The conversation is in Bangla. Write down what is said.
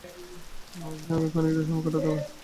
নুহাশের সঙ্গে খানিকটা সময় কাটাতে হবে।